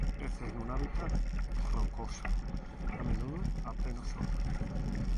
Crece en un hábitat rocoso, a menudo a pleno sol.